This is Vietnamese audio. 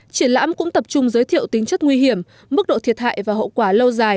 triển lãm cũng tập trung giới thiệu tính chất nguy hiểm mức độ thiệt hại và hậu quả lâu dài